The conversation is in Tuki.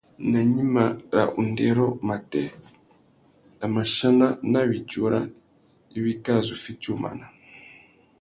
Nà gnïmá râ undêrô matê, a mà chana nà widjura iwí kā zu fiti umana.